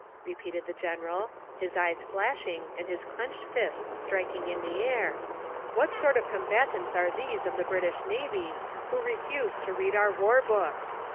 repeated the general, his eyes flashing and his clenched fist striking in the air "What sort of combatants are these of the British Navy who refuse to read our war books?